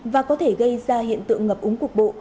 và có thể gây ra hiện tượng ngập úng cục bộ